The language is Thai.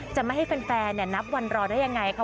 จะไม่ให้แฟนนับวันรอได้ยังไงค่ะ